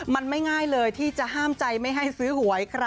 มันไม่ง่ายเลยที่จะห้ามใจไม่ให้ซื้อหวยค่ะ